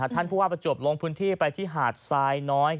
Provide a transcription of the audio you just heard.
ท่านผู้ว่าประจวบลงพื้นที่ไปที่หาดทรายน้อย